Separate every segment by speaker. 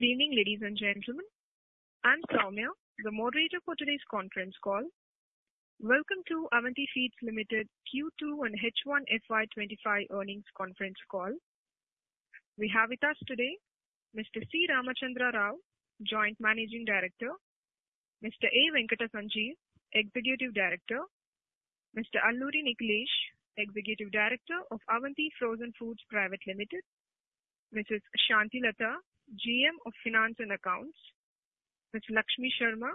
Speaker 1: Evening, ladies and gentlemen. I'm Saumya, the moderator for today's conference call. Welcome to Avanti Feeds Limited Q2 and H1FY25 Earnings Conference Call. We have with us today Mr. C. Ramachandra Rao, Joint Managing Director; Mr. A. Venkata Sanjeev, Executive Director; Mr. Alluri Nikhilesh, Executive Director of Avanti Frozen Foods Private Limited; Mrs. Santhi Latha, GM of Finance and Accounts; Ms. Lakshmi Sharma,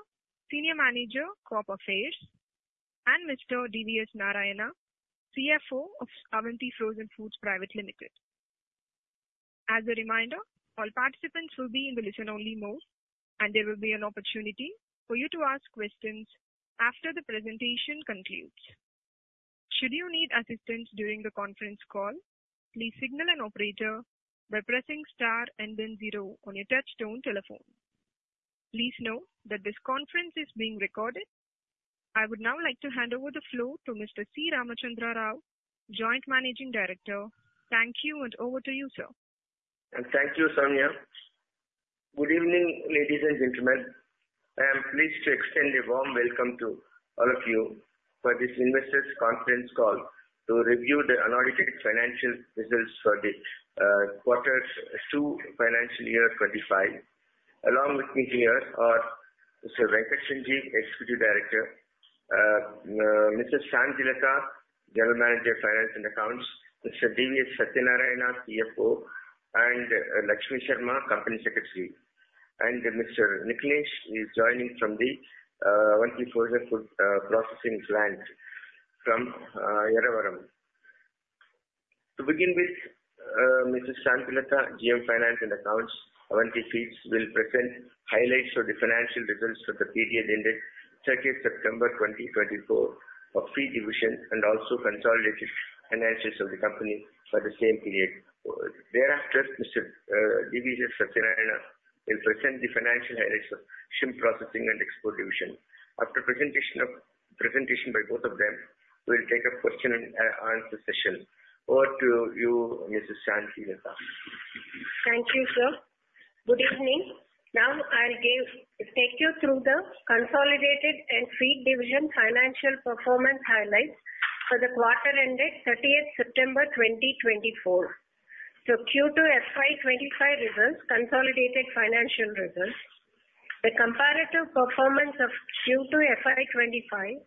Speaker 1: Senior Manager, Corporate Affairs; and Mr. D.V.S. Sathyanarayana, CFO of Avanti Frozen Foods Private Limited. As a reminder, all participants will be in the listen-only mode, and there will be an opportunity for you to ask questions after the presentation concludes. Should you need assistance during the conference call, please signal an operator by pressing star and then zero on your touch-tone telephone. Please note that this conference is being recorded. I would now like to hand over the floor to Mr. C. Ramachandra Rao, Joint Managing Director. Thank you, and over to you, sir.
Speaker 2: And thank you, Saumya. Good evening, ladies and gentlemen. I am pleased to extend a warm welcome to all of you for this investors' conference call to review the audited financial results for the Q2 financial year 2025. Along with me here are Mr. Venkata Sanjeev, Executive Director; Mrs. Santhi Latha, General Manager, Finance and Accounts; Mr. D.V.S. Sathyanarayana, CFO; and Lakshmi Sharma, Company Secretary; and Mr. Nikhilesh, who is joining from the Avanti Frozen Foods Processing Plant from Yaravaram. To begin with, Mrs. Santhi Latha, GM Finance and Accounts, Avanti Feeds will present highlights of the financial results for the period ended 30 September 2024 of feed division and also consolidated financials of the company for the same period. Thereafter, Mr. D.V.S. Sathyanarayana will present the financial highlights of shrimp processing and export division. After presentation by both of them, we'll take a question-and-answer session. Over to you, Mrs. Santhi Latha.
Speaker 3: Thank you, sir. Good evening. Now, I'll take you through the consolidated and feed division financial performance highlights for the quarter ended 30 September 2024. So, Q2 FY25 results, consolidated financial results. The comparative performance of Q2 FY25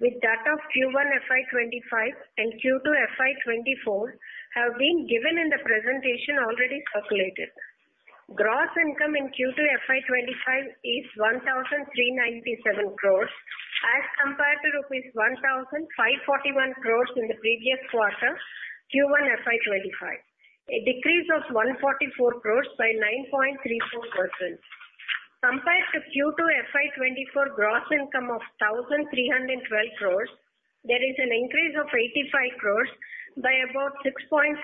Speaker 3: with that of Q1 FY25 and Q2 FY24 have been given in the presentation already circulated. Gross income in Q2 FY25 is 1,397 crores as compared to rupees 1,541 crores in the previous quarter, Q1 FY25. A decrease of 144 crores by 9.34%. Compared to Q2 FY24, gross income of 1,312 crores, there is an increase of 85 crores by about 6.48%.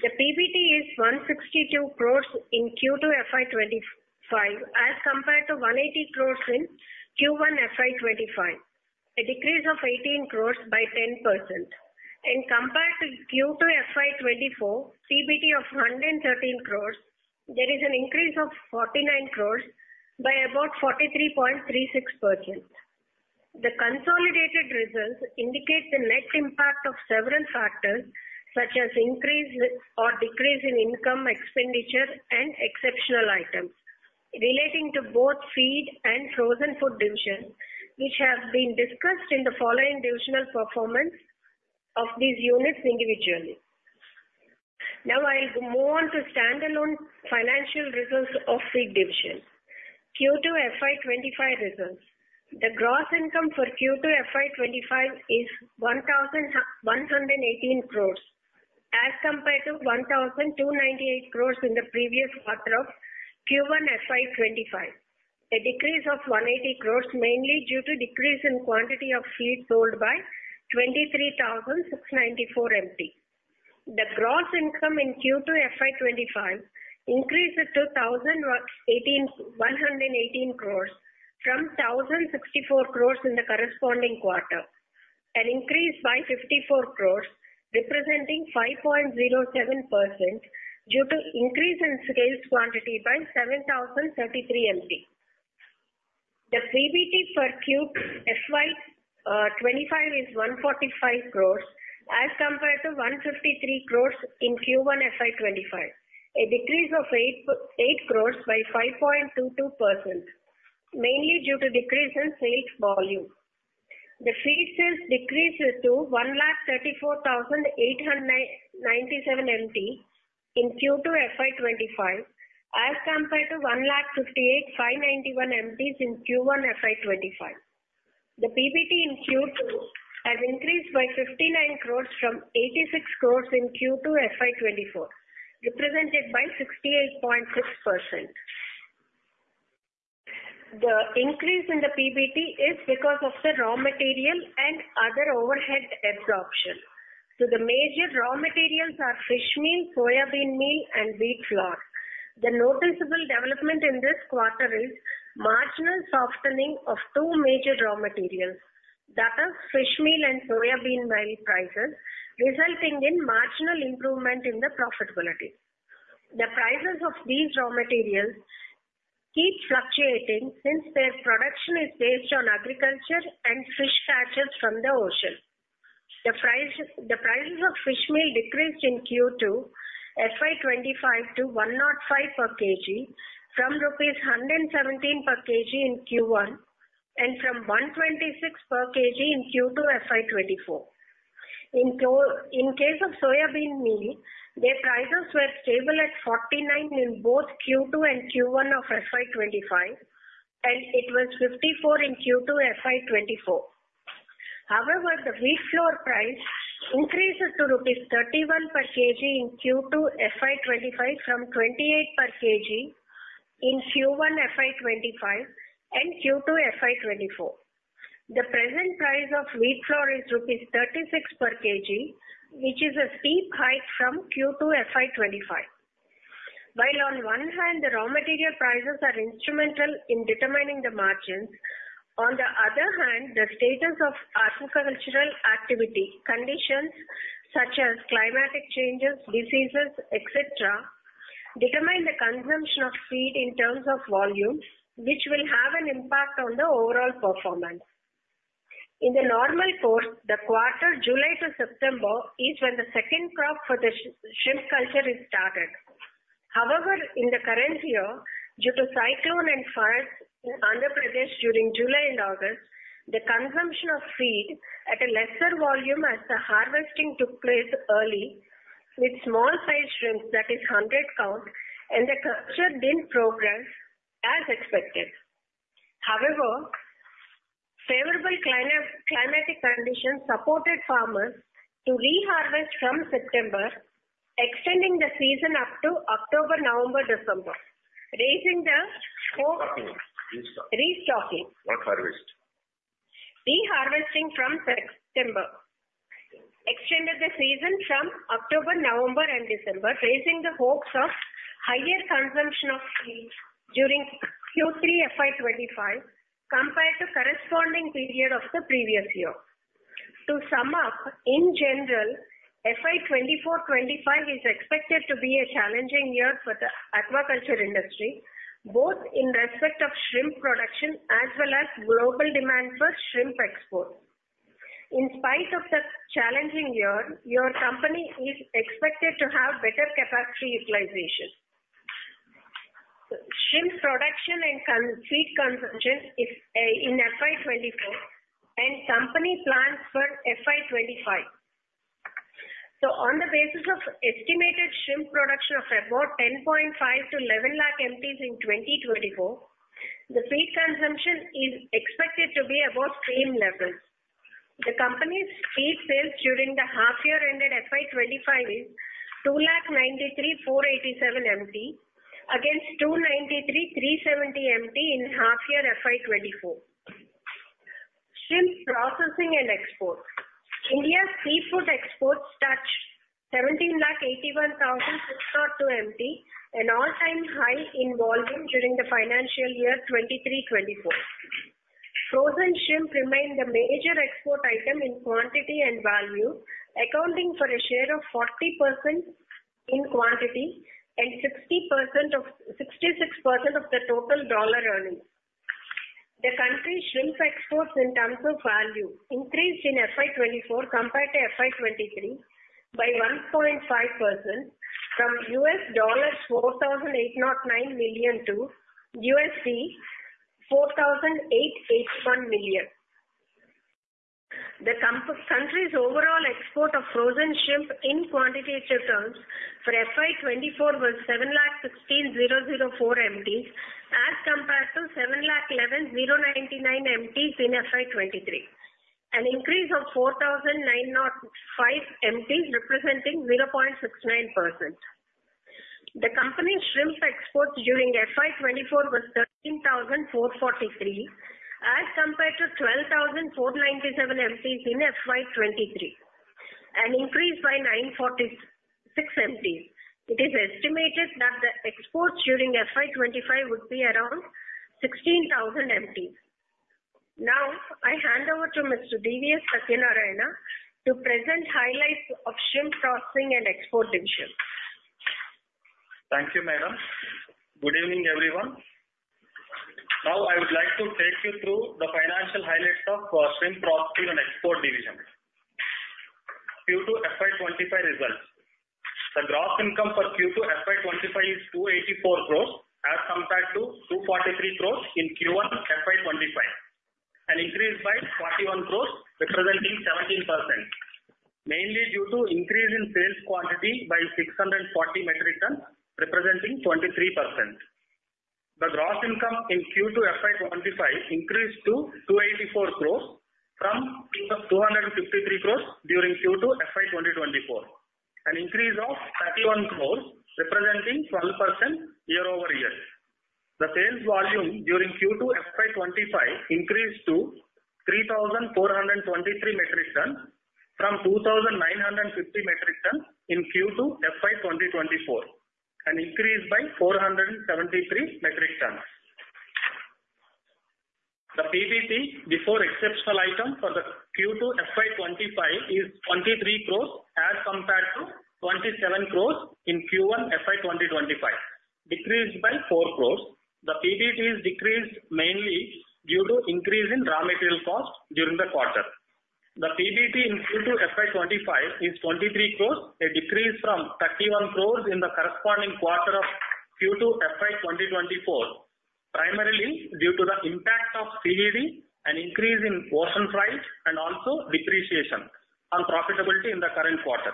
Speaker 3: The PBT is 162 crores in Q2 FY25 as compared to 180 crores in Q1 FY25. A decrease of 18 crores by 10%. And compared to Q2 FY24, PBT of 113 crores, there is an increase of 49 crores by about 43.36%. The consolidated results indicate the net impact of several factors such as increase or decrease in income, expenditure, and exceptional items relating to both feed and frozen food division, which have been discussed in the following divisional performance of these units individually. Now, I'll move on to standalone financial results of feed division. Q2 FY25 results. The gross income for Q2 FY25 is 1,118 crores as compared to 1,298 crores in the previous quarter of Q1 FY25. A decrease of 180 crores, mainly due to decrease in quantity of feed sold by 23,694 MT. The gross income in Q2 FY25 increased to 118 crores from 1,064 crores in the corresponding quarter, an increase by 54 crores, representing 5.07% due to increase in sales quantity by 7,033 MT. The PBT for Q2 FY25 is 145 crores as compared to 153 crores in Q1 FY25. A decrease of ₹8 crores by 5.22%, mainly due to decrease in sales volume. The feed sales decreased to ₹134,897 MT in Q2 FY25 as compared to ₹158,591 MT in Q1 FY25. The PBT in Q2 has increased by ₹59 crores from ₹86 crores in Q2 FY24, represented by 68.6%. The increase in the PBT is because of the raw material and other overhead absorption. So, the major raw materials are fish meal, soybean meal, and wheat flour. The noticeable development in this quarter is marginal softening of two major raw materials, that is, fish meal and soybean meal prices, resulting in marginal improvement in the profitability. The prices of these raw materials keep fluctuating since their production is based on agriculture and fish catches from the ocean. The prices of fish meal decreased in Q2 FY25 to 105 per kg from rupees 117 per kg in Q1 and from 126 per kg in Q2 FY24. In case of soya bean meal, their prices were stable at 49 in both Q2 and Q1 of FY25, and it was 54 in Q2 FY24. However, the wheat flour price increased to rupees 31 per kg in Q2 FY25 from 28 per kg in Q1 FY25 and Q2 FY24. The present price of wheat flour is rupees 36 per kg, which is a steep hike from Q2 FY25. While on one hand, the raw material prices are instrumental in determining the margins, on the other hand, the status of agricultural activity, conditions such as climatic changes, diseases, etc., determine the consumption of feed in terms of volume, which will have an impact on the overall performance. In the normal course, the quarter July to September is when the second crop for the shrimp culture is started. However, in the current year, due to cyclone and rains in Andhra Pradesh during July and August, the consumption of feed at a lesser volume as the harvesting took place early with small-sized shrimps, that is, 100 counts, and the culture didn't progress as expected. However, favorable climatic conditions supported farmers to reharvest from September, extending the season up to October, November, December, raising the hopes. Restocking.
Speaker 2: Restocking. What harvest?
Speaker 3: Reharvesting from September extended the season from October, November, and December, raising the hopes of higher consumption of feed during Q3 FY25 compared to the corresponding period of the previous year. To sum up, in general, FY24-25 is expected to be a challenging year for the aquaculture industry, both in respect of shrimp production as well as global demand for shrimp export. In spite of the challenging year, your company is expected to have better capacity utilization. Shrimp production and feed consumption is in FY24, and company plans for FY25. So, on the basis of estimated shrimp production of about 10.5-11 lakh MTs in 2024, the feed consumption is expected to be about same levels. The company's feed sales during the half-year ended FY25 is 293,487 MT against 293,370 MT in half-year FY24. Shrimp processing and export. India's seafood exports touch 1,781,602 MT, an all-time high in volume during the financial year 2023-24. Frozen shrimp remain the major export item in quantity and value, accounting for a share of 40% in quantity and 66% of the total dollar earnings. The country's shrimp exports in terms of value increased in FY24 compared to FY23 by 1.5% from $4,809 million to $4,881 million. The country's overall export of frozen shrimp in quantitative terms for FY24 was 7,16,004 MT as compared to 7,11,099 MT in FY23, an increase of 4,905 MT representing 0.69%. The company's shrimp exports during FY24 was 13,443 MT as compared to 12,497 MT in FY23, an increase by 946 MT. It is estimated that the exports during FY25 would be around 16,000 MT. Now, I hand over to Mr. D.V.S. Sathyanarayana to present highlights of shrimp processing and export division.
Speaker 4: Thank you, ma'am. Good evening, everyone. Now, I would like to take you through the financial highlights of shrimp processing and export division. Q2 FY25 results. The gross income for Q2 FY25 is 284 crores as compared to 243 crores in Q1 FY25, an increase by 41 crores representing 17%, mainly due to increase in sales quantity by 640 metric tonnes representing 23%. The gross income in Q2 FY25 increased to 284 crores from 253 crores during Q2 FY24, an increase of 31 crores representing 12% year-over-year. The sales volume during Q2 FY25 increased to 3,423 metric tonnes from 2,950 metric tonnes in Q2 FY24, an increase by 473 metric tonnes. The PBT before exceptional item for the Q2 FY25 is 23 crores as compared to 27 crores in Q1 FY25, decreased by 4 crores. The PBT is decreased mainly due to increase in raw material cost during the quarter. The PBT in Q2 FY25 is 23 crores, a decrease from 31 crores in the corresponding quarter of Q2 FY23-24, primarily due to the impact of CVD and increase in ocean price and also depreciation on profitability in the current quarter.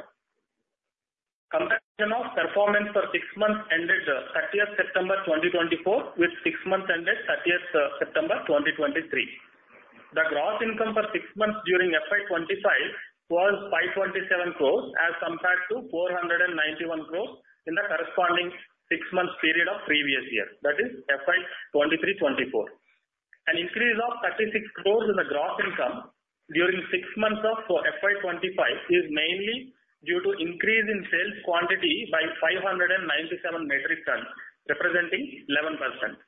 Speaker 4: Comparison of performance for six months ended 30 September 2024 with six months ended 30 September 2023. The gross income for six months during FY25 was 527 crores as compared to 491 crores in the corresponding six-month period of previous year, that is, FY23-24. An increase of 36 crores in the gross income during six months of FY25 is mainly due to increase in sales quantity by 597 metric tonnes, representing 11%.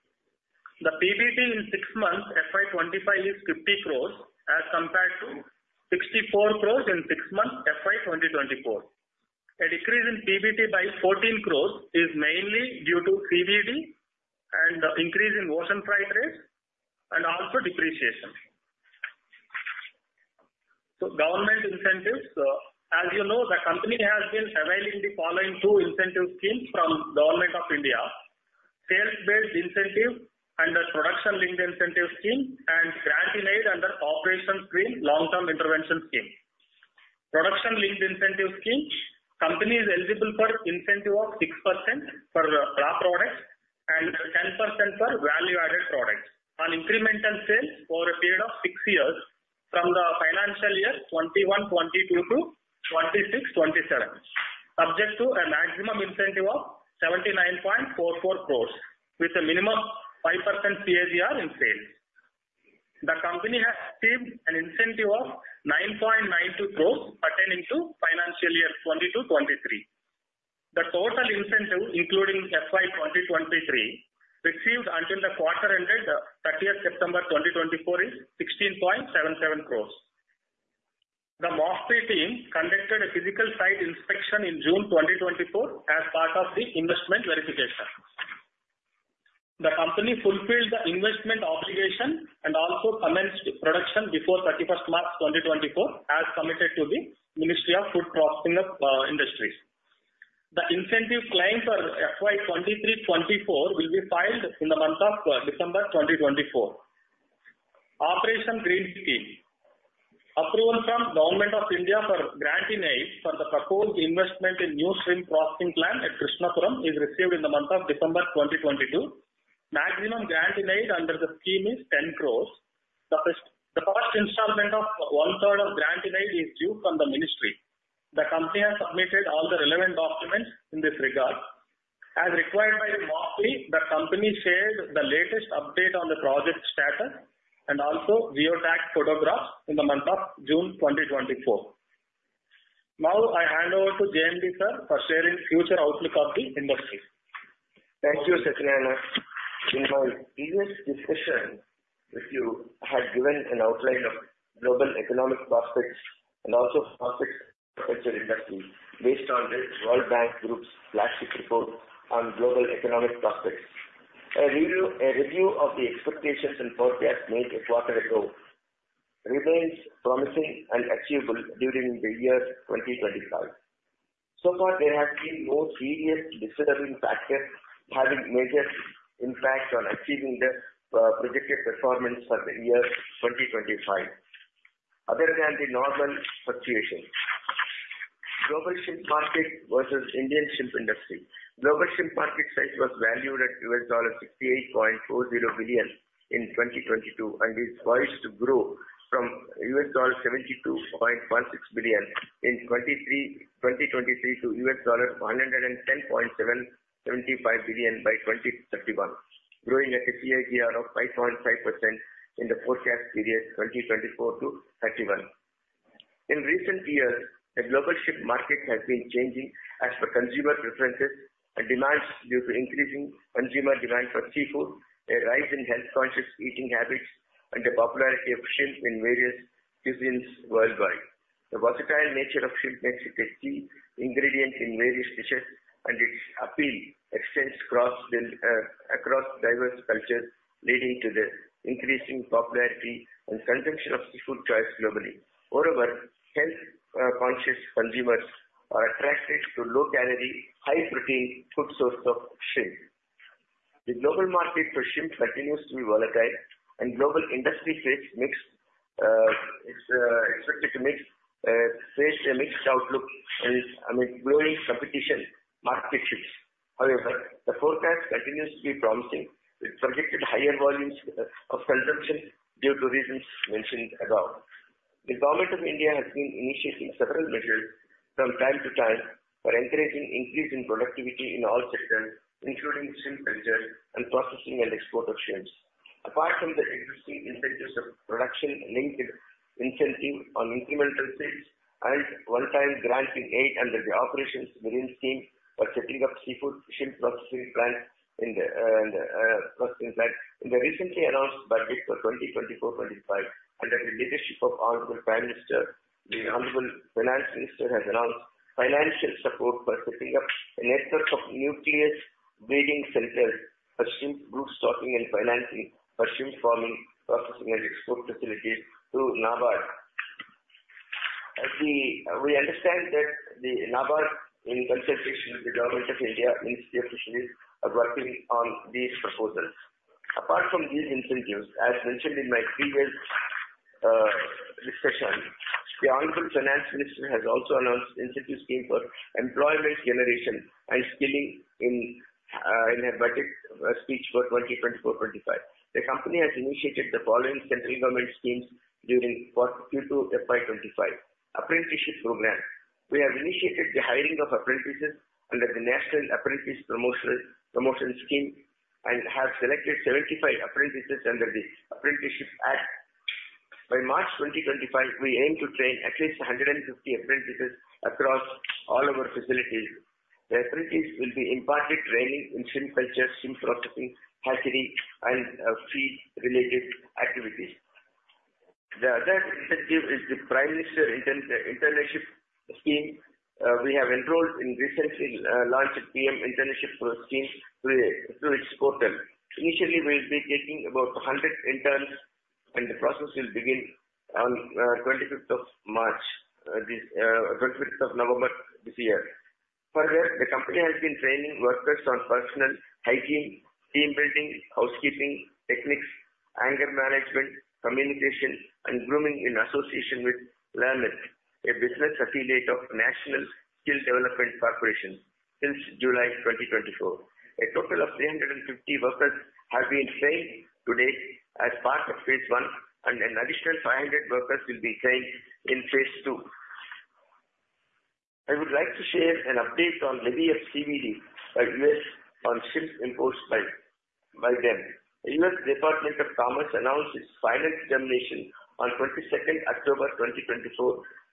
Speaker 4: The PBT in six months FY25 is 50 crores as compared to 64 crores in six months FY23-24. A decrease in PBT by ₹14 crores is mainly due to CVD and increase in ocean freight rates and also depreciation. So, government incentives. As you know, the company has been availing the following two incentive schemes from the Government of India: sales-based incentive under production-linked incentive scheme and granting aid under Operation Greens long-term intervention scheme. Production-linked incentive scheme. Company is eligible for incentive of 6% for raw products and 10% for value-added products on incremental sales over a period of six years from the financial year 2021-22 to 2026-27, subject to a maximum incentive of ₹79.44 crores with a minimum 5% CAGR in sales. The company has received an incentive of ₹9.92 crores pertaining to financial year 2022-23. The total incentive, including FY 2020-23, received until the quarter ended 30 September 2024 is ₹16.77 crores. The MOFPI team conducted a physical site inspection in June 2024 as part of the investment verification. The company fulfilled the investment obligation and also commenced production before 31 March 2024 as committed to the Ministry of Food Processing Industries. The incentive claim for FY23-24 will be filed in the month of December 2024. Operation Greens Scheme. Approval from the Government of India for granting aid for the proposed investment in new shrimp processing plant at Krishnapuram is received in the month of December 2022. Maximum granting aid under the scheme is 10 crores. The first installment of one-third of granting aid is due from the Ministry. The company has submitted all the relevant documents in this regard. As required by the MOFPI, the company shared the latest update on the project status and also geotagged photographs in the month of June 2024. Now, I hand over to JMD sir for sharing future outlook of the industry.
Speaker 2: Thank you, Sathyanarayana. In my previous discussion, you had given an outline of global economic prospects and also prospects for the future industry based on the World Bank Group's latest report on global economic prospects. A review of the expectations and forecast made a quarter ago remains promising and achievable during the year 2025. So far, there have been no serious disruptive factors having major impact on achieving the projected performance for the year 2025, other than the normal fluctuation. Global shrimp market versus Indian shrimp industry. Global shrimp market size was valued at $68.40 billion in 2022 and is poised to grow from $72.16 billion in 2023 to $110.75 billion by 2031, growing at a CAGR of 5.5% in the forecast period 2024 to 2031. In recent years, the global shrimp market has been changing as per consumer preferences and demands due to increasing consumer demand for seafood, a rise in health-conscious eating habits, and the popularity of shrimp in various cuisines worldwide. The versatile nature of shrimp makes it a key ingredient in various dishes, and its appeal extends across diverse cultures, leading to the increasing popularity and consumption of seafood choices globally. Moreover, health-conscious consumers are attracted to low-calorie, high-protein food sources of shrimp. The global market for shrimp continues to be volatile, and global industry faces a mixed outlook and growing competition market shifts. However, the forecast continues to be promising with projected higher volumes of consumption due to reasons mentioned above. The Government of India has been initiating several measures from time to time for encouraging increase in productivity in all sectors, including shrimp culture and processing and export of shrimps. Apart from the existing incentives of production-linked incentive on incremental sales and one-time granting aid under the Operation Greens Scheme for setting up seafood shrimp processing plants in the recently announced budget for 2024-25, under the leadership of Honorable Prime Minister, the Honorable Finance Minister has announced financial support for setting up a network of nuclear breeding centers for shrimp broodstock and financing for shrimp farming, processing, and export facilities to NABARD. We understand that the NABARD, in consultation with the Government of India, Ministry of Fisheries, are working on these proposals. Apart from these incentives, as mentioned in my previous discussion, the Honorable Finance Minister has also announced an incentive scheme for employment generation and skilling in her budget speech for 2024-25. The company has initiated the following central government schemes during Q2 FY25: Apprenticeship Program. We have initiated the hiring of apprentices under the National Apprenticeship Promotion Scheme and have selected 75 apprentices under the Apprenticeship Act. By March 2025, we aim to train at least 150 apprentices across all of our facilities. The apprentice will be imparted training in shrimp culture, shrimp processing, hatchery, and feed-related activities. The other incentive is the Prime Minister's Internship Scheme. We have enrolled in recently launched a PM Internship Scheme through its portal. Initially, we will be taking about 100 interns, and the process will begin on 25 November this year. Further, the company has been training workers on personal hygiene, team building, housekeeping techniques, anger management, communication, and grooming in association with LAMIT, a business affiliate of National Skill Development Corporation, since July 2024. A total of 350 workers have been trained to date as part of Phase One, and an additional 500 workers will be trained in Phase Two. I would like to share an update on levy of CVD by U.S. on shrimp imposed by them. The U.S. Department of Commerce announced its final determination on 22 October 2024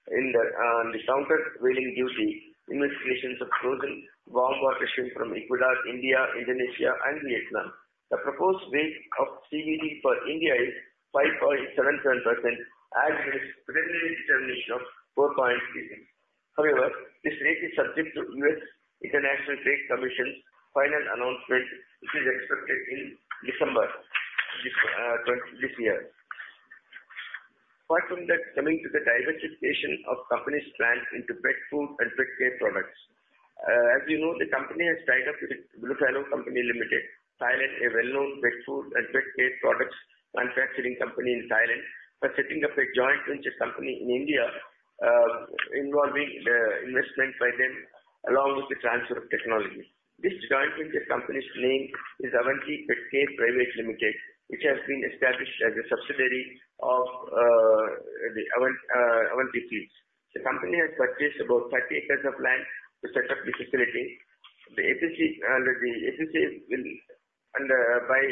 Speaker 2: on the countervailing duty investigations of frozen warm water shrimp from Ecuador, India, Indonesia, and Vietnam. The proposed rate of CVD for India is 5.77% as is its preliminary determination of 4.36%. However, this rate is subject to US International Trade Commission's final announcement, which is expected in December this year. Apart from that, coming to the diversification of company's plans into pet food and pet care products. As you know, the company has signed up with Bluefalo Company Limited, Thailand, a well-known pet food and pet care products manufacturing company in Thailand, for setting up a joint venture company in India involving the investment by them along with the transfer of technology. This joint venture company's name is Avanti Pet Care Private Limited, which has been established as a subsidiary of Avanti Feeds. The company has purchased about 30 acres of land to set up the facility. The APC will buy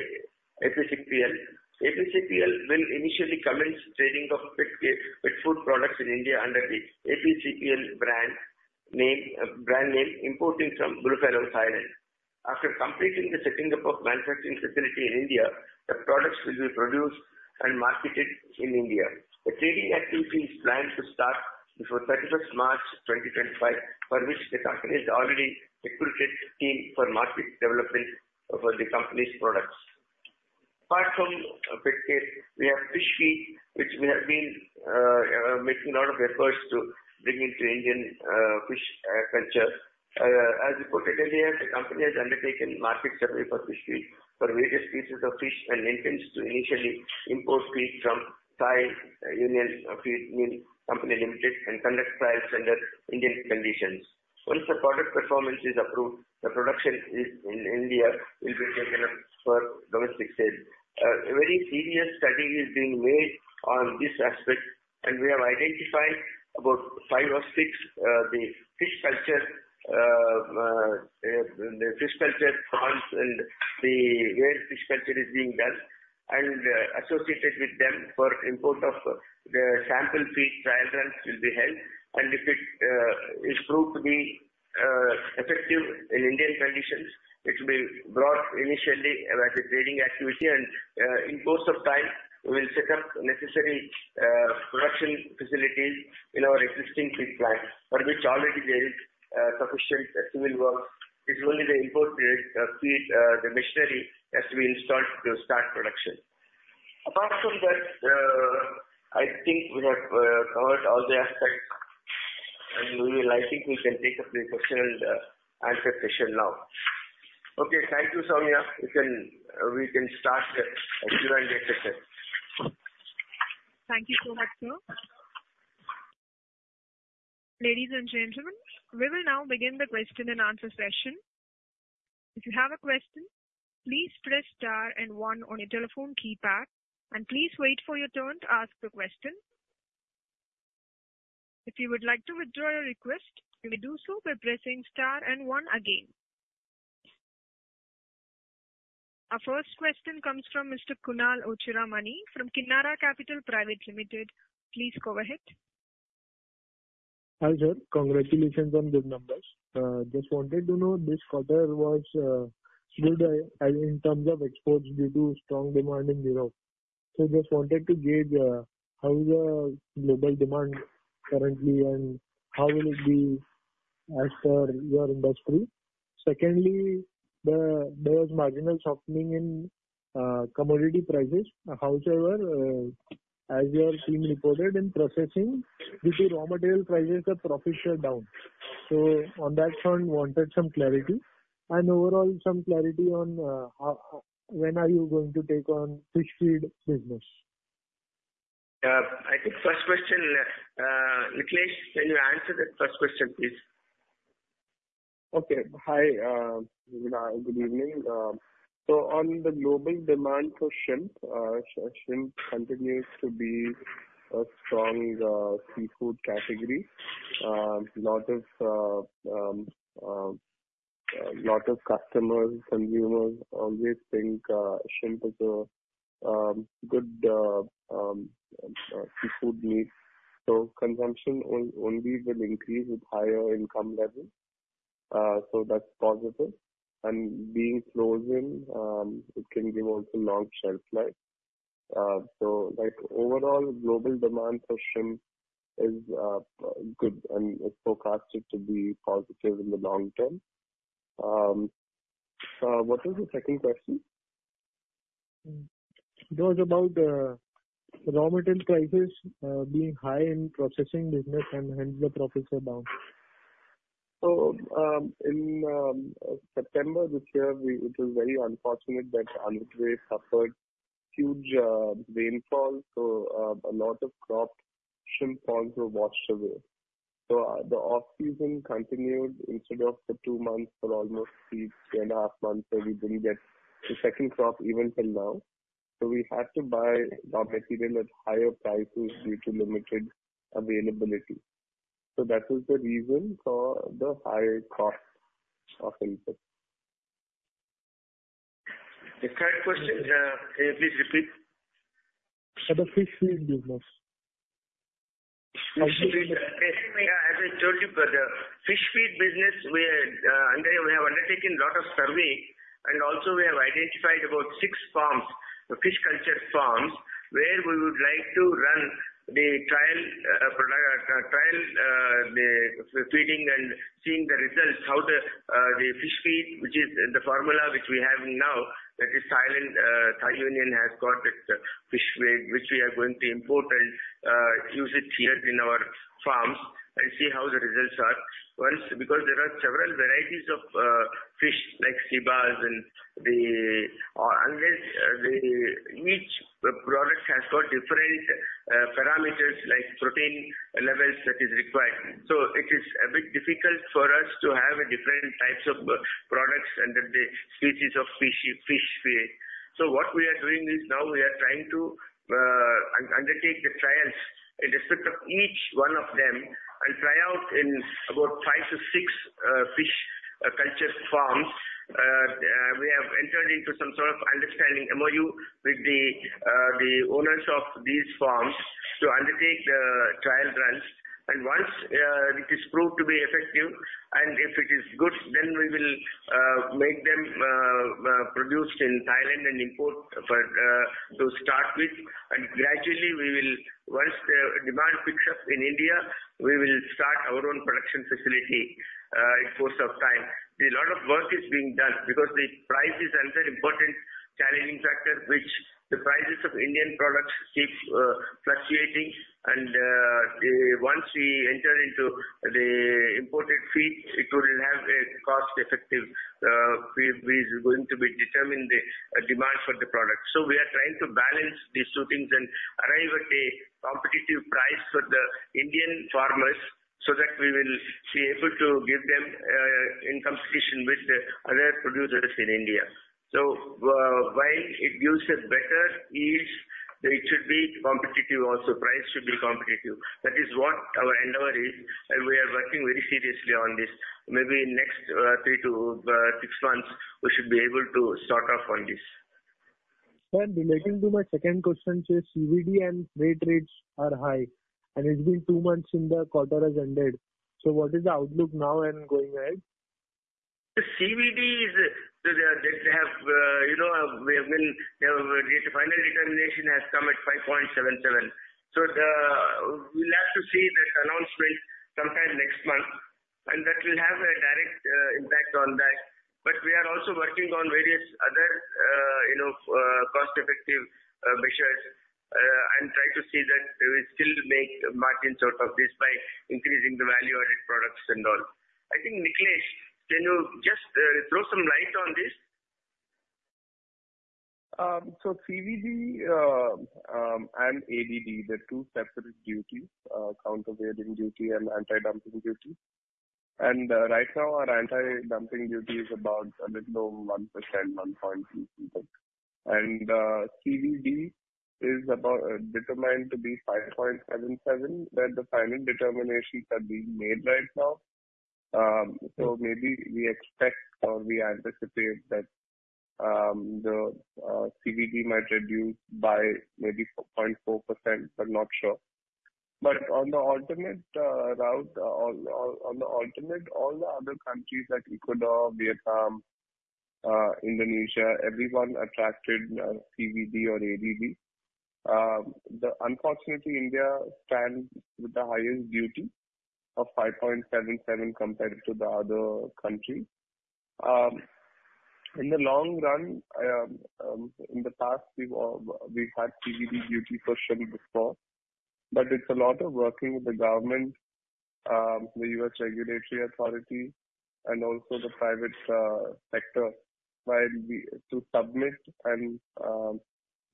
Speaker 2: APCPL. APCPL will initially commence trading of pet food products in India under the APCPL brand name, importing from Bluefalo, Thailand. After completing the setting up of manufacturing facility in India, the products will be produced and marketed in India. The trading activity is planned to start before 31 March 2025, for which the company has already recruited a team for market development for the company's products. Apart from pet care, we have fish feed, which we have been making a lot of efforts to bring into Indian fish culture. As reported earlier, the company has undertaken market survey for fish feed for various pieces of fish and intends to initially import feed from Thai Union Feed Company Limited and conduct trials under Indian conditions. Once the product performance is approved, the production in India will be taken up for domestic sales. A very serious study is being made on this aspect, and we have identified about five or six fish culture farms and the way fish culture is being done, and associated with them, for import of the sample feed trial runs will be held. And if it is proved to be effective in Indian conditions, it will be brought initially as a trading activity. And in the course of time, we will set up necessary production facilities in our existing feed plant, for which already there is sufficient civil work. It's only the import feed; the machinery has to be installed to start production. Apart from that, I think we have covered all the aspects, and I think we can take up the question and answer session now. Okay, thank you, Saumya. We can start the Q&A session.
Speaker 1: Thank you so much, sir. Ladies and gentlemen, we will now begin the question and answer session. If you have a question, please press star and one on your telephone keypad, and please wait for your turn to ask the question. If you would like to withdraw your request, you may do so by pressing star and one again. Our first question comes from Mr. Kunal Ochiramani from Kitara Capital Private Limited. Please go ahead.
Speaker 5: Hi, sir. Congratulations on good numbers. Just wanted to know, this quarter was good in terms of exports due to strong demand in Europe. So just wanted to gauge how the global demand currently and how will it be as per your industry. Secondly, there was marginal softening in commodity prices. However, as your team reported in processing, due to raw material prices, the profits are down. So on that front, wanted some clarity and overall some clarity on when are you going to take on fish feed business.
Speaker 2: Yeah, I think first question, Nikhilesh, can you answer that first question, please?
Speaker 6: Okay. Hi, good evening, so on the global demand for shrimp, shrimp continues to be a strong seafood category. A lot of customers, consumers always think shrimp is a good seafood meat, so consumption only will increase with higher income levels, so that's positive, and being frozen, it can give also long shelf life, so overall, global demand for shrimp is good and is forecasted to be positive in the long term. What was the second question?
Speaker 5: It was about raw material prices being high in processing business, and hence the profits are down.
Speaker 6: So in September this year, it was very unfortunate that Andhra suffered huge rainfall. So a lot of crop shrimp farms were washed away. So the off-season continued instead of the two months for almost three and a half months, so we didn't get the second crop even till now. So we had to buy raw material at higher prices due to limited availability. So that was the reason for the high cost of input.
Speaker 2: The third question, can you please repeat?
Speaker 5: For the fish feed business.
Speaker 2: Yeah, as I told you, for the fish feed business, we have undertaken a lot of surveys, and also we have identified about six farms, fish culture farms, where we would like to run the trial feeding and seeing the results, how the fish feed, which is the formula which we have now, that is Thailand, Thai Union has got the fish feed, which we are going to import and use it here in our farms and see how the results are. Because there are several varieties of fish like sea bass and each product has got different parameters like protein levels that is required. So it is a bit difficult for us to have different types of products under the species of fish feed. What we are doing is now we are trying to undertake the trials in respect of each one of them and try out in about five to six fish culture farms. We have entered into some sort of understanding MOU with the owners of these farms to undertake the trial runs. Once it is proved to be effective and if it is good, then we will make them produced in Thailand and import to start with. Gradually, once the demand picks up in India, we will start our own production facility in the course of time. A lot of work is being done because the price is another important challenging factor, which the prices of Indian products keep fluctuating. Once we enter into the imported feed, it will have a cost-effective feed which is going to be determined the demand for the product. So we are trying to balance these two things and arrive at a competitive price for the Indian farmers so that we will be able to give them in competition with other producers in India. So while it gives a better yield, it should be competitive also. Price should be competitive. That is what our endeavor is, and we are working very seriously on this. Maybe in the next three-to-six months, we should be able to start off on this.
Speaker 5: Sir, relating to my second question, sir, CVD and ADD rates are high, and it's been two months into the quarter that's ended. So what is the outlook now and going ahead?
Speaker 2: The CVD is that they have the final determination has come at 5.77. So we'll have to see that announcement sometime next month, and that will have a direct impact on that. But we are also working on various other cost-effective measures and try to see that we still make margins out of this by increasing the value-added products and all. I think, Nikhilesh, can you just throw some light on this?
Speaker 6: CVD and ADD, the two separate duties, countervailing duty and anti-dumping duty. Right now, our anti-dumping duty is about a little over 1.33%. CVD is determined to be 5.77%. That's the final determinations that are being made right now. Maybe we expect or we anticipate that the CVD might reduce by maybe 0.4%, but not sure. On the alternate route, on the alternate, all the other countries like Ecuador, Vietnam, Indonesia, everyone attracted CVD or ADD. Unfortunately, India stands with the highest duty of 5.77% compared to the other countries. In the long run, in the past, we've had CVD duty for shrimp before. It's a lot of working with the government, the US regulatory authority, and also the private sector to submit and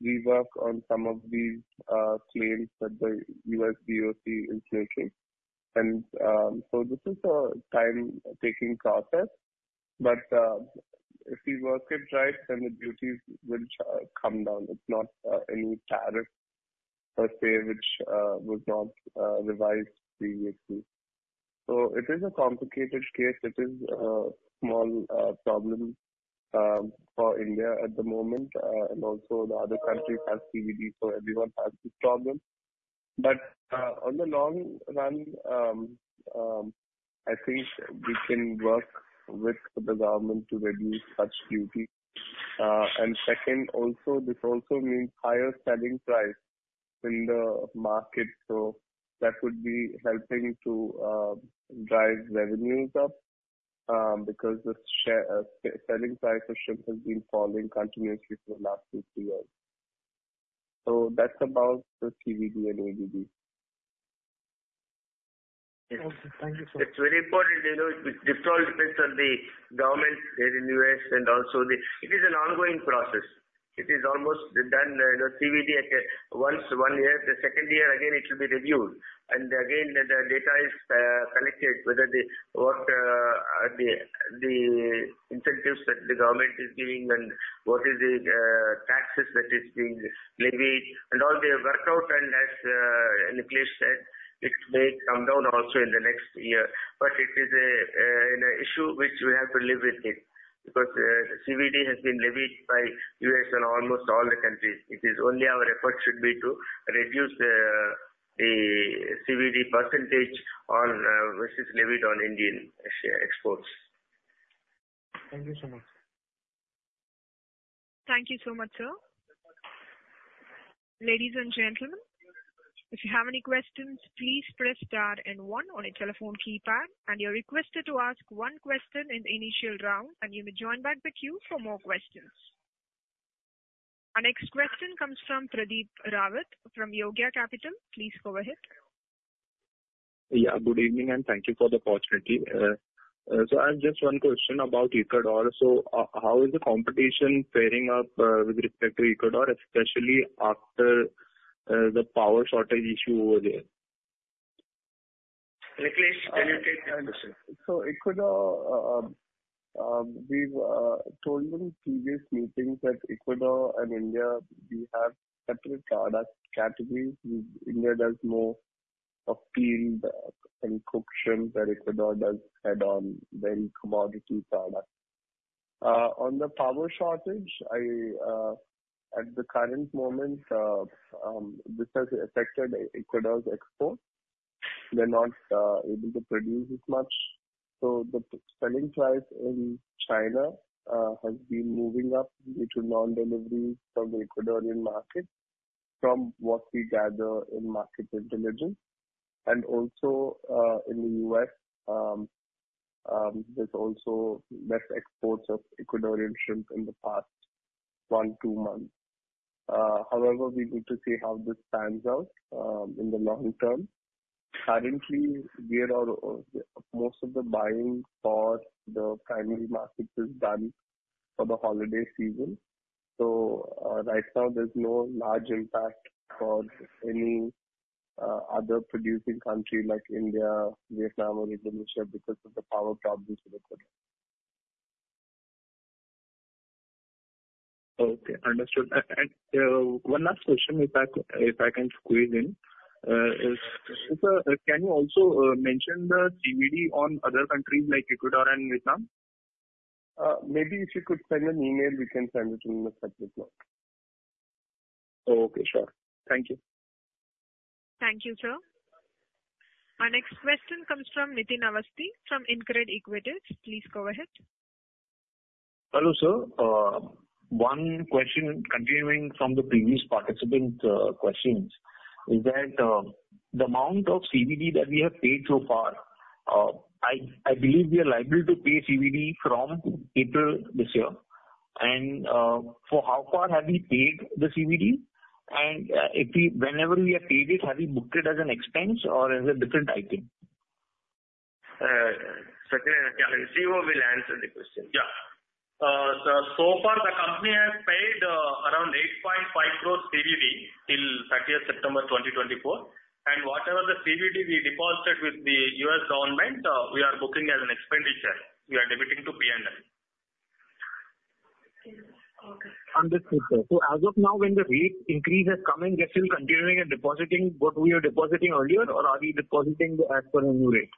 Speaker 6: rework on some of these claims that the US DOC is making. This is a time-taking process. But if we work it right, then the duties will come down. It's not any tariff per se which was not revised previously. So it is a complicated case. It is a small problem for India at the moment. And also, the other countries have CVD, so everyone has this problem. But on the long run, I think we can work with the government to reduce such duty. And second, also, this also means higher selling price in the market. So that would be helping to drive revenues up because the selling price of shrimp has been falling continuously for the last 50 years. So that's about the CVD and ADD.
Speaker 5: Thank you, sir.
Speaker 2: It's very important. It all depends on the government here in the U.S. and also, it is an ongoing process. It is almost done the CVD at once one year. The second year, again, it will be reviewed. And again, the data is collected, whether the incentives that the government is giving and what is the taxes that are being levied. And all they work out, and as Nikhilesh said, it may come down also in the next year. But it is an issue which we have to live with because CVD has been levied by the U.S. and almost all the countries. It is only our effort should be to reduce the CVD percentage on which is levied on Indian exports.
Speaker 5: Thank you so much.
Speaker 1: Thank you so much, sir. Ladies and gentlemen, if you have any questions, please press star and one on your telephone keypad, and you're requested to ask one question in the initial round, and you may join back the queue for more questions. Our next question comes from Pradeep Rao from Yogya Capital. Please go ahead. Yeah, good evening, and thank you for the opportunity. I have just one question about Ecuador. How is the competition faring up with respect to Ecuador, especially after the power shortage issue over there?
Speaker 2: Nikhilesh, can you take that question?
Speaker 6: Ecuador, we've told you in previous meetings that Ecuador and India, we have separate product categories. India does more of peeled and cooked shrimp, while Ecuador does head-on, then commodity products. On the power shortage, at the current moment, this has affected Ecuador's exports. They're not able to produce as much. So the selling price in China has been moving up due to non-deliveries from the Ecuadorian market, from what we gather in market intelligence. And also, in the U.S., there's also less exports of Ecuadorian shrimp in the past one, two months. However, we need to see how this pans out in the long term. Currently, most of the buying for the primary market is done for the holiday season. So right now, there's no large impact for any other producing country like India, Vietnam, or Indonesia because of the power problems in Ecuador. Okay, understood. And one last question, if I can squeeze in, is can you also mention the CVD on other countries like Ecuador and Vietnam? Maybe if you could send an email, we can send it in a separate note. Okay, sure. Thank you.
Speaker 1: Thank you, sir. Our next question comes from Nitin Awasthi from InCred Equities. Please go ahead.
Speaker 7: Hello, sir. One question continuing from the previous participant questions is that the amount of CVD that we have paid so far, I believe we are liable to pay CVD from April this year. And for how far have we paid the CVD? And whenever we have paid it, have we booked it as an expense or as a different item? Second, I'll see who will answer the question. Yeah.
Speaker 2: So far, the company has paid around 8.5 crores CVD till 30th September 2024. And whatever the CVD we deposited with the U.S. government, we are booking as an expenditure. We are debiting to P&L.
Speaker 7: Understood, sir. So as of now, when the rate increase has come in, we are still continuing and depositing what we were depositing earlier, or are we depositing as per a new rate?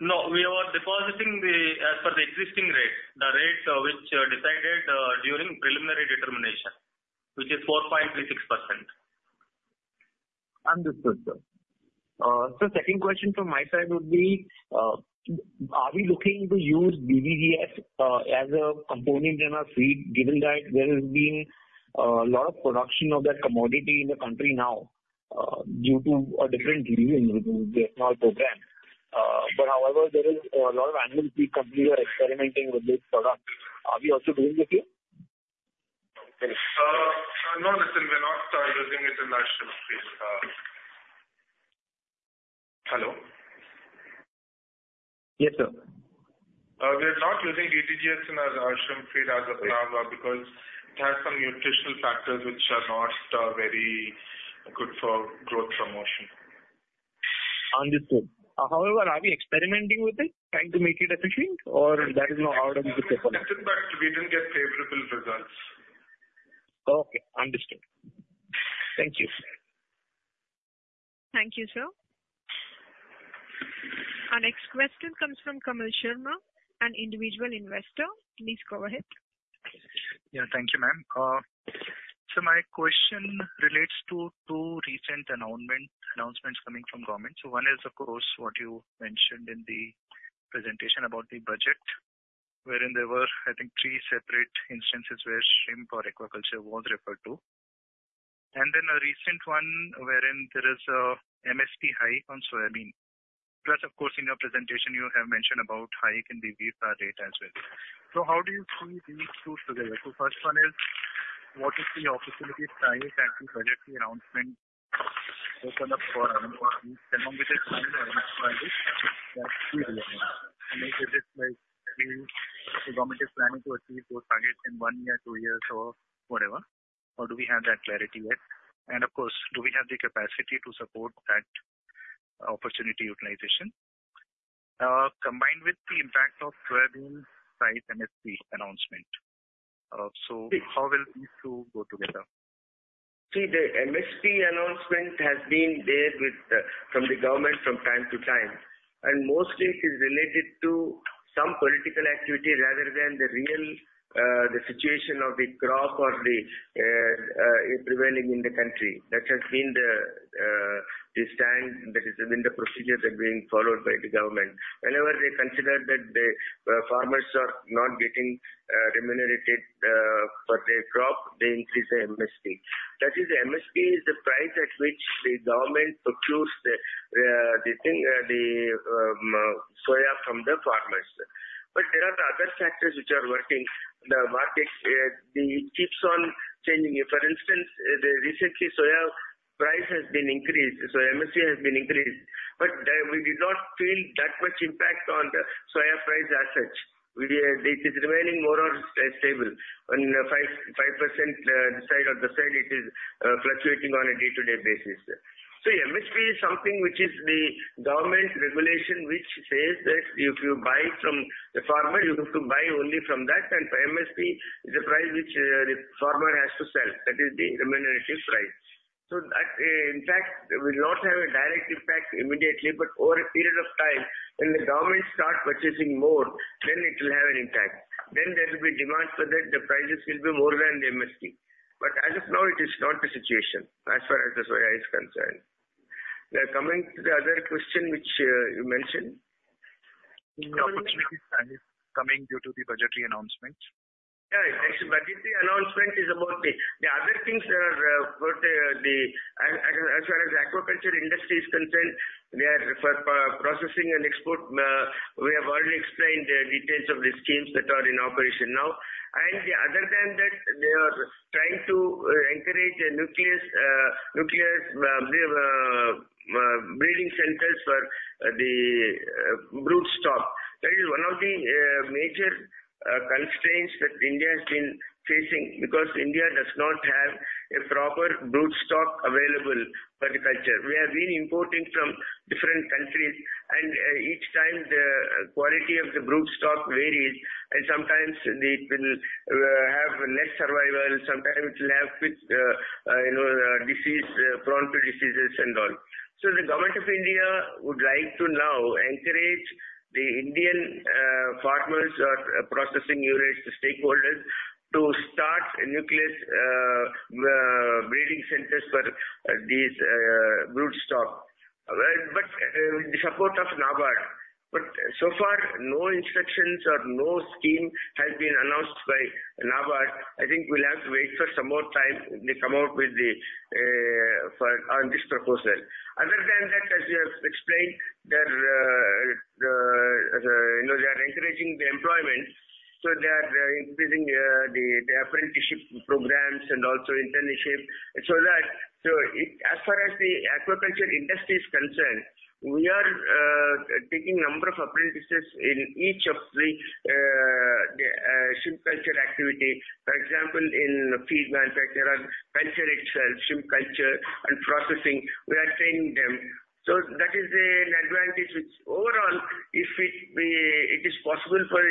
Speaker 2: No, we were depositing as per the existing rate, the rate which was decided during preliminary determination, which is 4.36%.
Speaker 7: Understood, sir. So second question from my side would be, are we looking to use DDGS as a component in our feed, given that there has been a lot of production of that commodity in the country now due to a different reason with the small program? But however, there is a lot of animal feed companies that are experimenting with this product. Are we also doing this here?
Speaker 6: No, listen, we're not using it in our shrimp feed.
Speaker 2: Hello?
Speaker 6: Yes, sir. We're not using DDGS in our shrimp feed as of now because it has some nutritional factors which are not very good for growth promotion.
Speaker 7: Understood. However, are we experimenting with it trying to make it efficient, or that is not how we could take on?
Speaker 2: No, listen, but we didn't get favorable results.
Speaker 7: Okay, understood.
Speaker 2: Thank you.
Speaker 1: Thank you, sir. Our next question comes from Kamal Sharma, an individual investor. Please go ahead. Yeah, thank you, ma'am. My question relates to two recent announcements coming from government. One is, of course, what you mentioned in the presentation about the budget, wherein there were, I think, three separate instances where shrimp or aquaculture was referred to. And then a recent one wherein there is an MSP hike on soybean. Plus, of course, in your presentation, you have mentioned about hike in the wheat duty as well. How do you see these two together? First one is, what is the opportunity that the budgetary announcement opened up for animal feeds along with the timeline or next five years that we realize? And is it like the government is planning to achieve those targets in one year, two years, or whatever, or do we have that clarity yet? And of course, do we have the capacity to support that opportunity utilization combined with the impact of soybean? Right, MSP announcement. So how will these two go together?
Speaker 2: See, the MSP announcement has been there from the government from time to time, and mostly, it is related to some political activity rather than the real situation of the crop or the prevailing in the country. That has been the stand that has been the procedure that is being followed by the government. Whenever they consider that the farmers are not getting remunerated for their crop, they increase the MSP. That is, the MSP is the price at which the government procures the soy from the farmers, but there are other factors which are working. The market, it keeps on changing. For instance, recently, soy price has been increased. Soy MSP has been increased, but we did not feel that much impact on the soy price as such. It is remaining more or stable. On the 5% side or the side, it is fluctuating on a day-to-day basis. So MSP is something which is the government regulation which says that if you buy from the farmer, you have to buy only from that. And for MSP, it's a price which the farmer has to sell. That is the remunerative price. So that, in fact, will not have a direct impact immediately, but over a period of time, when the government starts purchasing more, then it will have an impact. Then there will be demand for that. The prices will be more than the MSP. But as of now, it is not the situation as far as the soy is concerned. Coming to the other question which you mentioned.
Speaker 6: The economic impact is coming due to the budgetary announcement.
Speaker 2: Yeah, budgetary announcement is about the other things that are as far as the aquaculture industry is concerned, they are for processing and export. We have already explained the details of the schemes that are in operation now. And other than that, they are trying to encourage nuclear breeding centers for the broodstock. That is one of the major constraints that India has been facing because India does not have a proper broodstock available for the culture. We have been importing from different countries, and each time, the quality of the broodstock varies. And sometimes, it will have less survival. Sometimes, it will have disease, prone to diseases and all. So the government of India would like to now encourage the Indian farmers or processing units, the stakeholders, to start nuclear breeding centers for these broodstock. With the support of NABARD, but so far, no instructions or no scheme has been announced by NABARD. I think we'll have to wait for some more time if they come out with the one on this proposal. Other than that, as you have explained, they are encouraging the employment. They are increasing the apprenticeship programs and also internship. As far as the aquaculture industry is concerned, we are taking a number of apprentices in each of the shrimp culture activity. For example, in feed manufacturing, culture itself, shrimp culture, and processing, we are training them. That is an advantage which overall, if it is possible for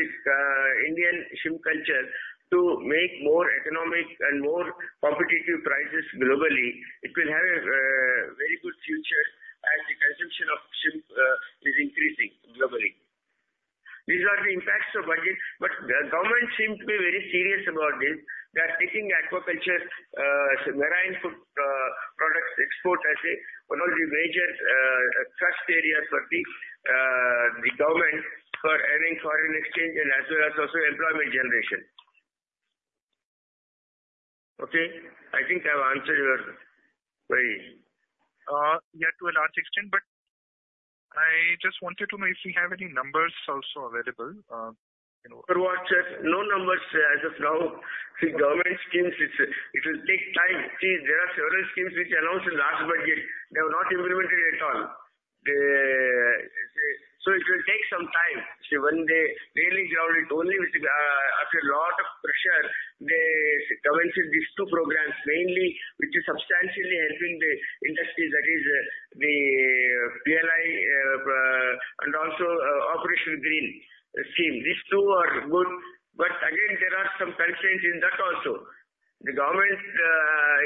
Speaker 2: Indian shrimp culture to make more economic and more competitive prices globally, it will have a very good future as the consumption of shrimp is increasing globally. These are the impacts of budget, but the government seems to be very serious about this. They are taking aquaculture, marine food products export as one of the major thrust areas for the government for earning foreign exchange and as well as also employment generation. Okay, I think I've answered your question. Yeah, to a large extent, but I just wanted to know if we have any numbers also available. No numbers as of now. See, government schemes, it will take time. See, there are several schemes which are announced in last budget. They have not implemented it at all. So it will take some time. See, when they really ground it, only after a lot of pressure, they commenced these two programs, mainly which is substantially helping the industry, that is the PLI and also Operation Greens Scheme. These two are good, but again, there are some constraints in that also. The government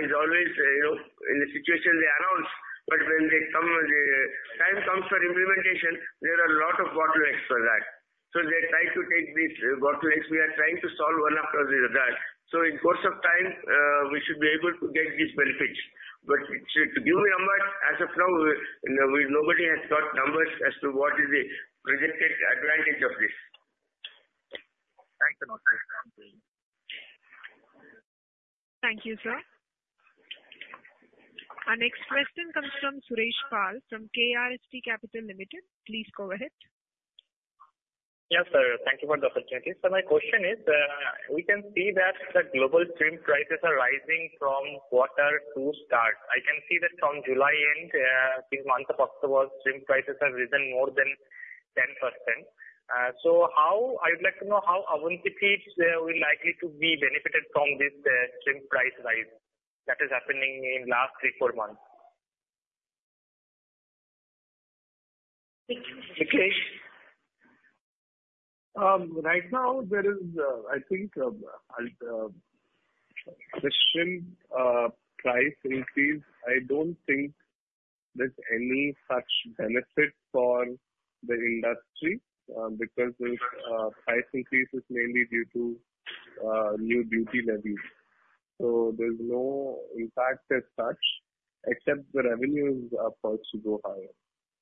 Speaker 2: is always in a situation they announce, but when the time comes for implementation, there are a lot of bottlenecks for that. So they try to take these bottlenecks. We are trying to solve one after the other. So in the course of time, we should be able to get these benefits. But to give you a number, as of now, nobody has got numbers as to what is the projected advantage of this. Thank you, sir.
Speaker 1: Thank you, sir. Our next question comes from Suresh Pal from KRS Capital Limited. Please go ahead.
Speaker 8: Yes, sir. Thank you for the opportunity. So my question is, we can see that the global shrimp prices are rising from what are two stars. I can see that from July end, these months of October, shrimp prices have risen more than 10%. So I would like to know how Avanti Feeds will likely to be benefited from this shrimp price rise that is happening in the last three, four months.
Speaker 2: Nikhil?
Speaker 6: Right now, there is, I think, a shrimp price increase. I don't think there's any such benefit for the industry because this price increase is mainly due to new duty levies, so there's no impact as such, except the revenues are forced to go higher,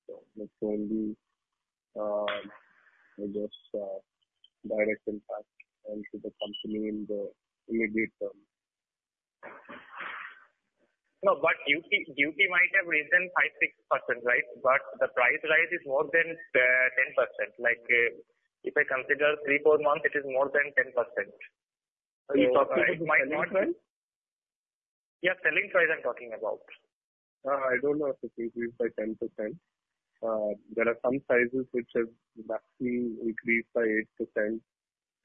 Speaker 6: so that's only just direct impact onto the company in the immediate term.
Speaker 8: No, but duty might have risen 5-6%, right? But the price rise is more than 10%. If I consider three, four months, it is more than 10%.
Speaker 6: Are you talking about selling price?
Speaker 8: Yeah, selling price I'm talking about.
Speaker 6: I don't know if it increased by 10%. There are some sizes which have actually increased by eight%.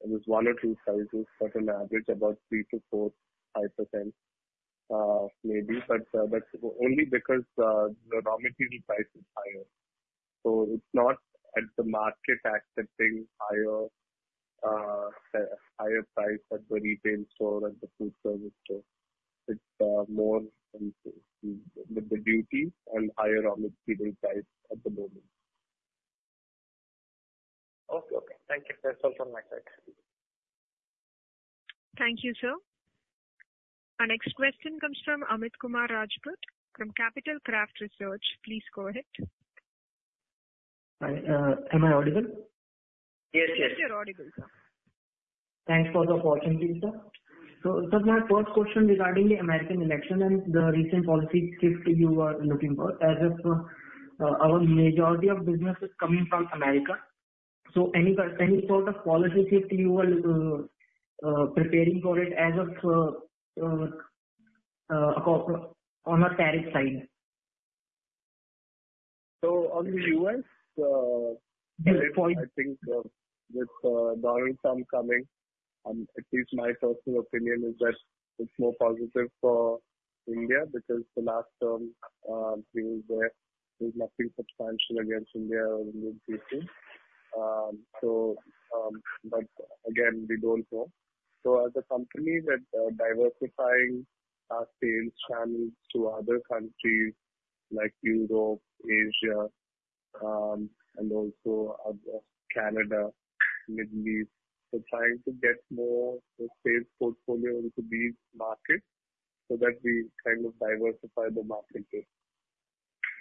Speaker 6: There's one or two sizes, but on average, about three to four, five% maybe. But that's only because the raw material price is higher. So it's not at the market accepting higher price at the retail store and the food service store. It's more with the duty and higher raw material price at the moment.
Speaker 8: Okay, okay. Thank you. That's all from my side.
Speaker 1: Thank you, sir. Our next question comes from Amit Kumar Rajput from Capital Craft Research. Please go ahead. Am I audible?
Speaker 2: Yes, yes.
Speaker 6: Yes, you're audible, sir. Thanks for the opportunity, sir. So this is my first question regarding the American election and the recent policy shift you are looking for. As our majority of business is coming from America, so any sort of policy shift you are preparing for it as of now on a tariff side?
Speaker 2: So on the U.S., I think with the Donald Trump coming, at least my personal opinion is that it's more positive for India because the last term he was there, there was nothing substantial against India or Indian people. But again, we don't know. So as a company that is diversifying our sales channels to other countries like Europe, Asia, and also Canada, Middle East, we're trying to get more sales portfolio into these markets so that we kind of diversify the marketplace.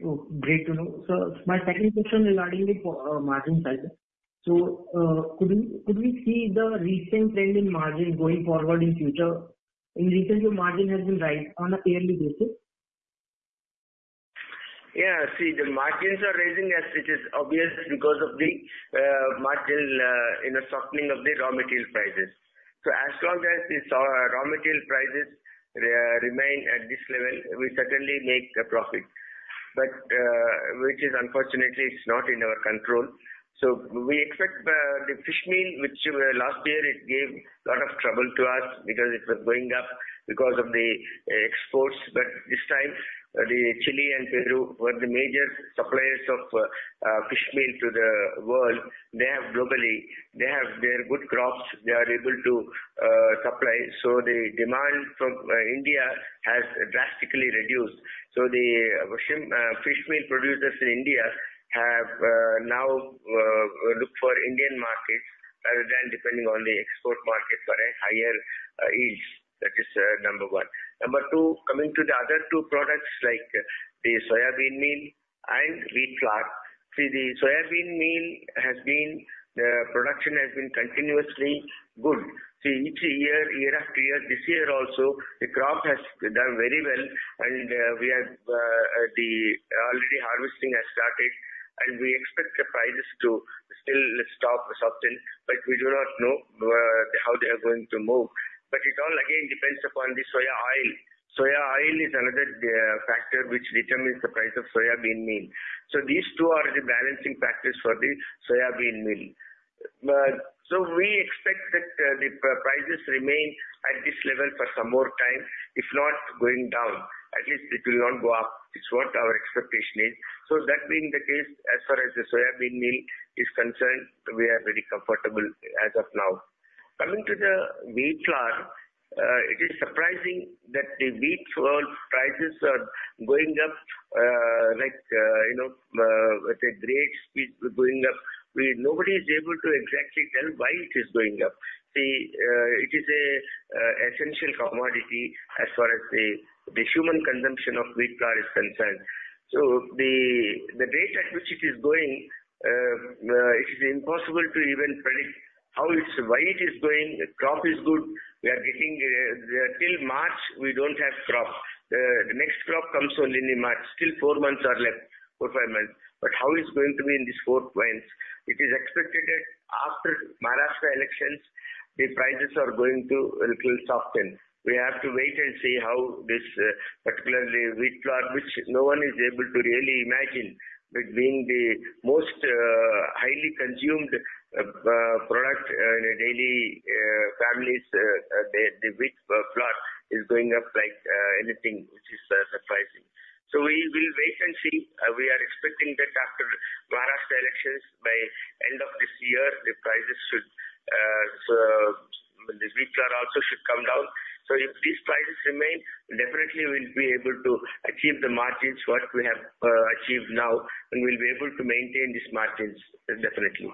Speaker 2: Oh, great to know. So my second question regarding the margin side. So could we see the recent trend in margin going forward in future? In recent, your margin has been rising on a yearly basis? Yeah, see, the margins are rising as it is obvious because of the margin in the softening of the raw material prices. So as long as the raw material prices remain at this level, we certainly make a profit, which is unfortunately not in our control. So we expect the fish meal, which last year it gave a lot of trouble to us because it was going up because of the exports. But this time, the Chile and Peru were the major suppliers of fish meal to the world. They have globally, they have their good crops. They are able to supply. So the demand from India has drastically reduced. So the fish meal producers in India have now looked for Indian markets rather than depending on the export market for a higher yield. That is number one. Number two, coming to the other two products like the soybean meal and wheat flour. See, the soybean meal production has been continuously good. See, each year, year after year, this year also, the crop has done very well. And harvesting has already started. And we expect the prices to still continue softening, but we do not know how they are going to move. But it all, again, depends upon the soybean oil. Soybean oil is another factor which determines the price of soybean meal. So these two are the balancing factors for the soybean meal. So we expect that the prices remain at this level for some more time, if not going down. At least it will not go up. It's what our expectation is. So that being the case, as far as the soybean meal is concerned, we are very comfortable as of now. Coming to the wheat flour, it is surprising that the wheat flour prices are going up like at a great speed going up. Nobody is able to exactly tell why it is going up. See, it is an essential commodity as far as the human consumption of wheat flour is concerned. So the rate at which it is going, it is impossible to even predict how it's why it is going. Crop is good. We are getting till March, we don't have crop. The next crop comes only in March. Still four months are left, four, five months. But how it's going to be in these four months? It is expected that after Maharashtra elections, the prices are going to a little soften. We have to wait and see how this particularly wheat flour, which no one is able to really imagine, but being the most highly consumed product in a daily family's, the wheat flour is going up like anything, which is surprising. So we will wait and see. We are expecting that after Maharashtra elections, by end of this year, the prices should, the wheat flour also should come down. So if these prices remain, definitely we'll be able to achieve the margins what we have achieved now, and we'll be able to maintain these margins definitely.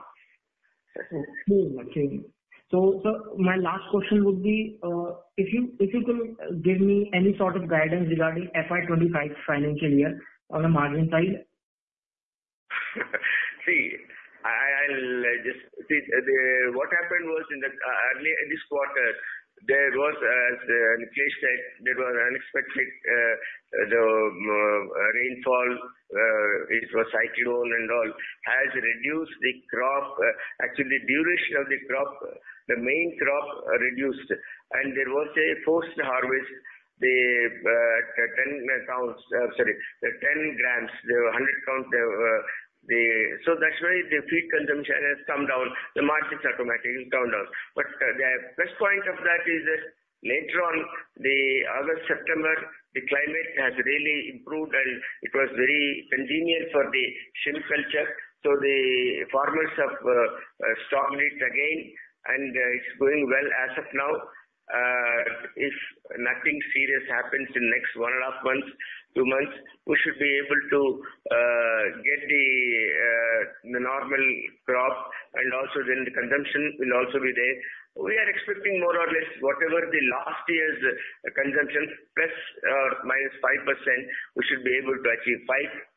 Speaker 2: Okay, okay. So my last question would be, if you can give me any sort of guidance regarding FY25 financial year on the margin side? See, I'll just see. What happened was in this quarter, there was, as Nikhilesh said, there was unexpected rainfall. It was cyclone and all. It has reduced the crop. Actually, the duration of the crop, the main crop reduced, and there was a forced harvest, the 10 pounds, sorry, the 10 grams, the 100 count. So that's why the feed consumption has come down. The margins automatically come down, but the best point of that is that later on, the August, September, the climate has really improved, and it was very convenient for the shrimp culture. So the farmers have stocked it again, and it's going well as of now. If nothing serious happens in the next one and a half months, two months, we should be able to get the normal crop, and also then the consumption will also be there. We are expecting more or less whatever the last year's consumption, plus or minus 5%. We should be able to achieve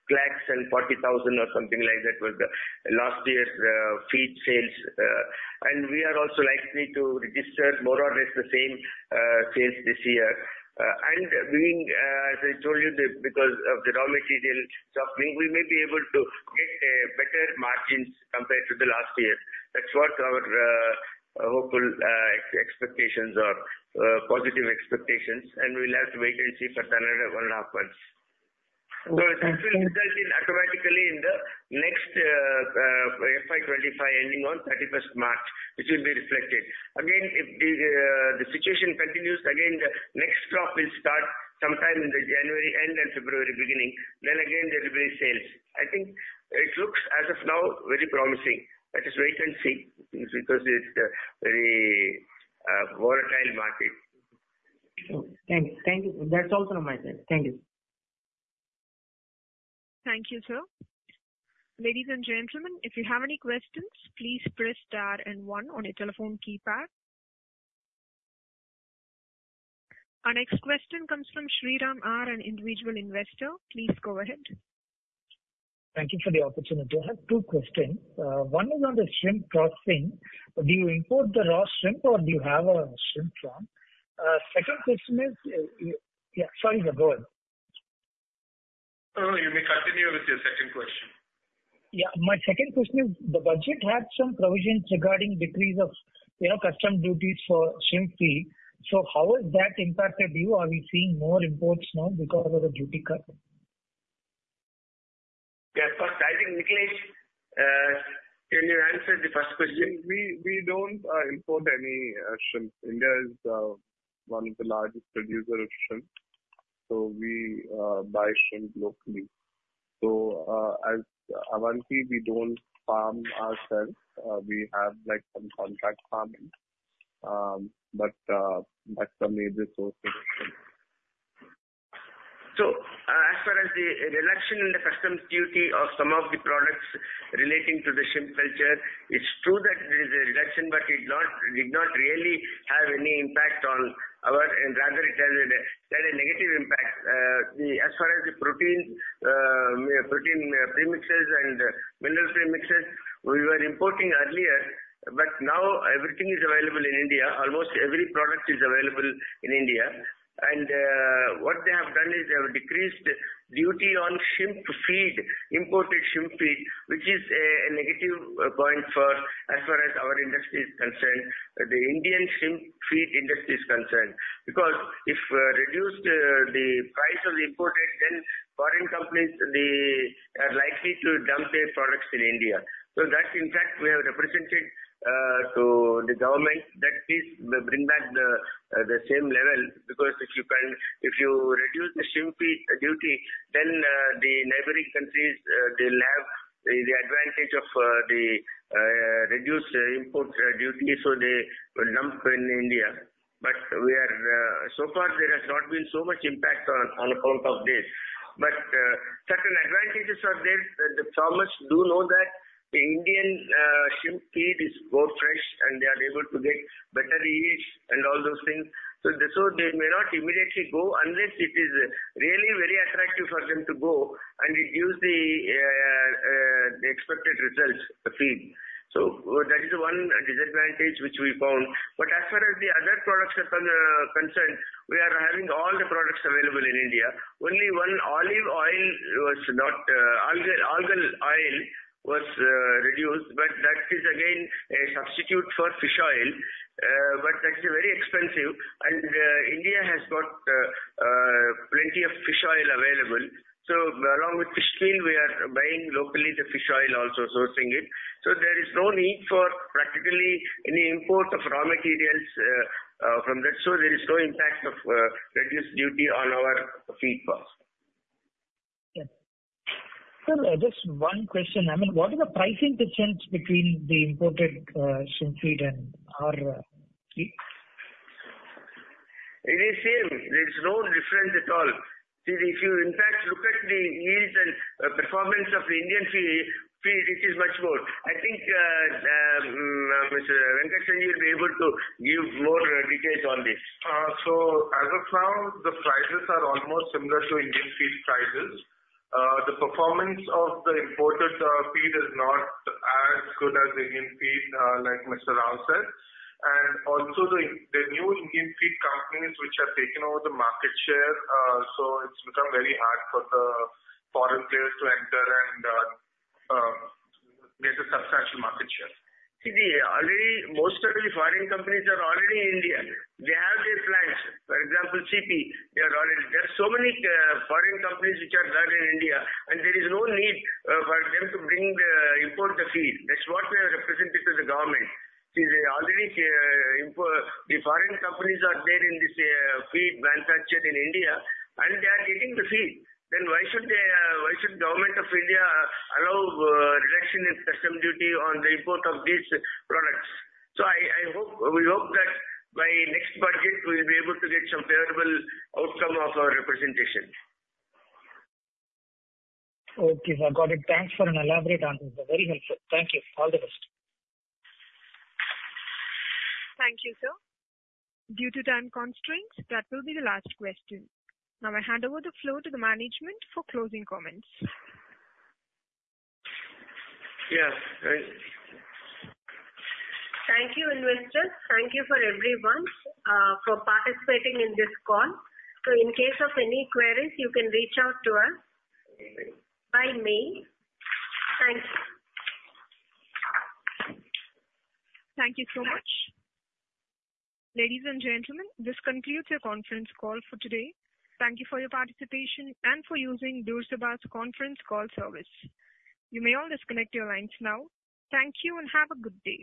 Speaker 2: 5,040,000 or something like that was the last year's feed sales. And we are also likely to register more or less the same sales this year. And being, as I told you, because of the raw material softening, we may be able to get better margins compared to the last year. That's what our hopeful expectations are, positive expectations. And we'll have to wait and see for another one and a half months. So it will result automatically in the next FY25 ending on 31st March, which will be reflected. Again, if the situation continues, again, the next crop will start sometime in the January end and February beginning. Then again, there will be sales. I think it looks as of now very promising. That is, wait and see because it's a very volatile market. Thank you. That's all from my side. Thank you.
Speaker 1: Thank you, sir. Ladies and gentlemen, if you have any questions, please press star and one on your telephone keypad. Our next question comes from Sriram R., an individual investor. Please go ahead. Thank you for the opportunity. I have two questions. One is on the shrimp processing. Do you import the raw shrimp, or do you have a shrimp farm? Second question is, yeah, sorry, go ahead.
Speaker 2: Oh, you may continue with your second question. Yeah, my second question is, the budget had some provisions regarding decrease of customs duties for shrimp feed. So how has that impacted you? Are we seeing more imports now because of the duty cut? Yeah, I think Nikhilesh, can you answer the first question?
Speaker 6: We don't import any shrimp. India is one of the largest producers of shrimp. So we buy shrimp locally. So as Avanti, we don't farm ourselves. We have some contract farming. But that's the major source of shrimp.
Speaker 2: So as far as the reduction in the customs duty of some of the products relating to the shrimp culture, it's true that there is a reduction, but it did not really have any impact on our, and rather it had a negative impact. As far as the protein premixes and mineral premixes, we were importing earlier. But now everything is available in India. Almost every product is available in India. What they have done is they have decreased duty on shrimp feed, imported shrimp feed, which is a negative point for as far as our industry is concerned, the Indian shrimp feed industry is concerned. Because if we reduce the price of the imported, then foreign companies are likely to dump their products in India. So that, in fact, we have represented to the government that we bring back the same level because if you reduce the shrimp feed duty, then the neighboring countries, they'll have the advantage of the reduced import duty, so they will dump in India. But so far, there has not been so much impact on account of this. But certain advantages are there. The farmers do know that the Indian shrimp feed is more fresh, and they are able to get better yields and all those things. So they may not immediately go unless it is really very attractive for them to go and reduce the expected results, the feed. So that is one disadvantage which we found. But as far as the other products are concerned, we are having all the products available in India. Only one algal oil was not, algal oil was reduced, but that is again a substitute for fish oil. But that is very expensive. And India has got plenty of fish oil available. So along with fish meal, we are buying locally the fish oil also, sourcing it. So there is no need for practically any import of raw materials from that. So there is no impact of reduced duty on our feed costs. Yes. So just one question. I mean, what are the pricing difference between the imported shrimp feed and our feed? It is the same. There is no difference at all. See, if you in fact look at the yields and performance of the Indian feed, it is much more. I think Mr. Venkata, you will be able to give more details on this.
Speaker 9: So as of now, the prices are almost similar to Indian feed prices. The performance of the imported feed is not as good as the Indian feed, like Mr. Rawat said. And also the new Indian feed companies which have taken over the market share, so it's become very hard for the foreign players to enter and get a substantial market share.
Speaker 2: See, most of the foreign companies are already in India. They have their plants. For example, CP, they are already. There are so many foreign companies which are in India, and there is no need for them to bring in imported feed. That's what we have represented to the government. See, the foreign companies are already there in the feed manufacturing in India, and they are getting the feed. Then why should the government of India allow reduction in customs duty on the import of these products? So we hope that by next budget, we'll be able to get some favorable outcome of our representation. Okay, sir. Got it. Thanks for an elaborate answer. Very helpful. Thank you. All the best.
Speaker 1: Thank you, sir. Due to time constraints, that will be the last question. Now I hand over the floor to the management for closing comments.
Speaker 2: Yeah.
Speaker 1: Thank you, investors. Thank you, everyone, for participating in this call. So in case of any queries, you can reach out to us by mail. Thank you. Thank you so much. Ladies and gentlemen, this concludes our conference call for today. Thank you for your participation and for using Door Sabha Conference Call Service. You may all disconnect your lines now. Thank you and have a good day.